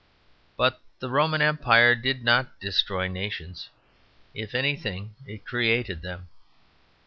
But the Roman Empire did not destroy nations; if anything, it created them.